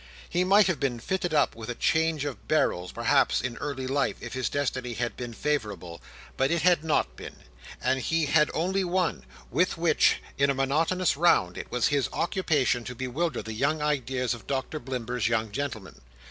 He might have been fitted up with a change of barrels, perhaps, in early life, if his destiny had been favourable; but it had not been; and he had only one, with which, in a monotonous round, it was his occupation to bewilder the young ideas of Doctor Blimber's young gentlemen.